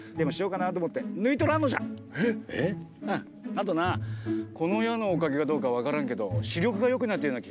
あとなこの矢のおかげかどうか分からんけど視力がよくなったような気がするんじゃ。